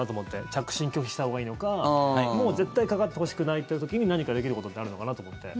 着信拒否したほうがいいのかもう絶対かかってほしくないって時に何かできることってあるのかなと思って。